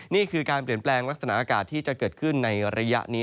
นี่คือการเปลี่ยนแปลงลักษณะอากาศที่จะเกิดขึ้นในระยะนี้